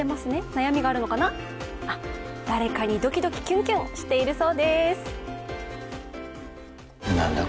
悩みがあるのかな、誰かにドキドキキュンキュンしているそうです。